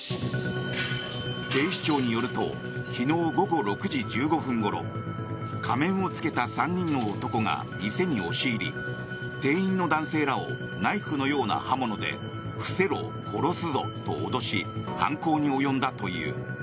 警視庁によると昨日午後６時１５分ごろ仮面を着けた３人の男が店に押し入り店員の男性らをナイフのような刃物で伏せろ、殺すぞと脅し犯行に及んだという。